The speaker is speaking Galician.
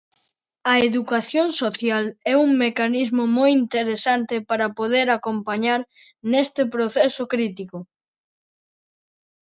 A educación social é un mecanismo moi interesante para poder acompañar neste proceso crítico.